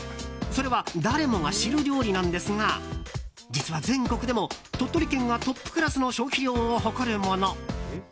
それは誰もが知る料理なんですが実は全国でも鳥取県がトップクラスの消費量を誇るもの。